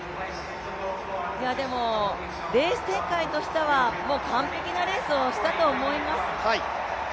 でもレース展開としては、もう完璧なレースをしたと思います。